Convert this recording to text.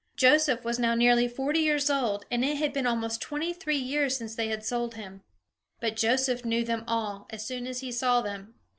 Joseph was now nearly forty years old, and it had been almost twenty three years since they had sold him. But Joseph knew them all, as soon as he saw them.